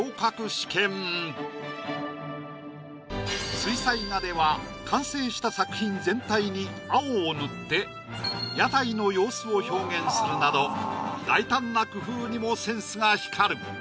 水彩画では完成した作品全体に青を塗って屋台の様子を表現するなど大胆な工夫にもセンスが光る。